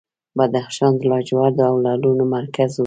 بدخشان د لاجوردو او لعلونو مرکز و